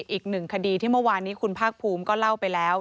อีกหนึ่งคดีที่เมื่อวานนี้คุณภาคภูมิก็เล่าไปแล้ว